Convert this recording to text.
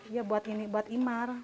ya buat ini buat imar